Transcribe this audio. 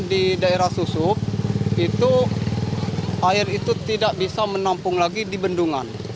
di daerah susup itu air itu tidak bisa menampung lagi di bendungan